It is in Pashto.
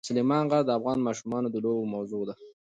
سلیمان غر د افغان ماشومانو د لوبو موضوع ده.